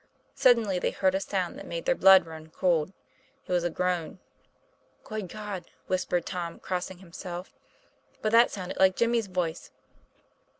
Sud denly they heard a sound that made their blood run cold ; it was a groan. 'Good God!" whispered Tom, crossing himself, 'but that sounded like Jimmy's voice.